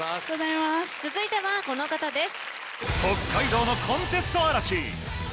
続いてはこの方です。